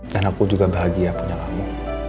dan aku juga bahagia punya kamu